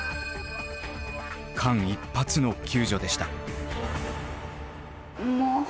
間一髪の救助でした。